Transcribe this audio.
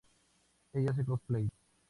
Ella hace Cosplay.